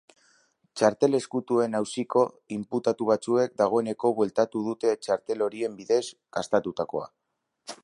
Txartel ezkutuen auziko inputatu batzuek dagoeneko bueltatu dute txartel horien bidez gastatutakoa.